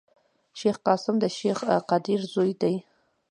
شېخ قاسم دشېخ قدر زوی دﺉ.